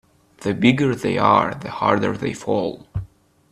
The bigger they are the harder they fall.